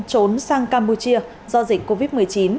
trốn sang campuchia do dịch covid một mươi chín